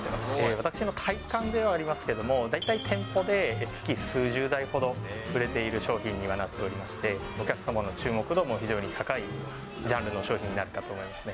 私の体感ではありますけども、大体店舗で月数十台ほど売れている商品にはなっておりまして、お客様の注目度も非常に高いジャンルの商品になるかと思いますね。